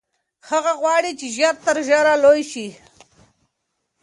هغه غواړي چې ژر تر ژره لوی شي.